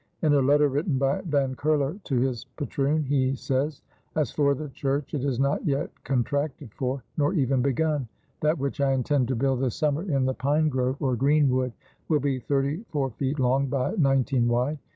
In a letter written by Van Curler to his patroon, he says: "As for the Church it is not yet contracted for, nor even begun.... That which I intend to build this summer in the pine grove (or green wood) will be thirty four feet long by nineteen wide.